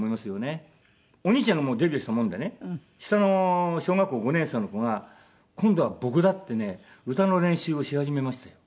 お兄ちゃんがもうデビューしたものでね下の小学校５年生の子が「今度は僕だ」ってね歌の練習をし始めましたよ。